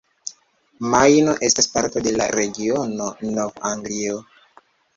Majno estas parto de la regiono Nov-Anglio.